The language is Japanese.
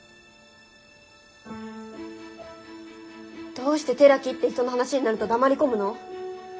どうして寺木って人の話になると黙り込むの？